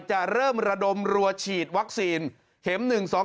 จะเริ่มระดมรัวฉีดวัคซีนเข็ม๑๒๒